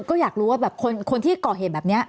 ก็อยากรู้ว่าแบบคนที่ก่อเหตุแบบนี้